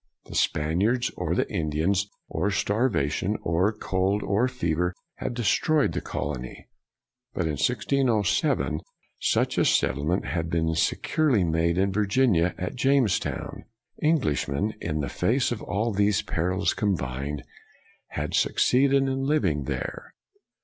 The Spaniards or the Indians or starva tion or cold or fever had destroyed the colony. But in 1607, such a settle ment had been securely made in Vir ginia, at Jamestown. Englishmen, in the face of all these perils combined, had succeeded in living there.